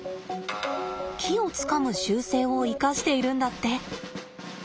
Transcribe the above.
木をつかむ習性を生かしているんだって。